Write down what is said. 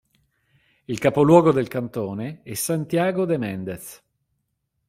Il capoluogo del cantone è Santiago de Méndez.